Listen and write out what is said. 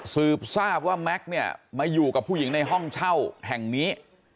สืบทราบว่าแม็กซ์เนี่ยมาอยู่กับผู้หญิงในห้องเช่าแห่งนี้